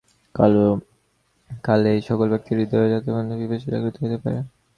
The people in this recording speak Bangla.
কালে এই-সকল ব্যক্তির হৃদয়ে যথার্থ ধর্মপিপাসা জাগ্রত হইতে পারে।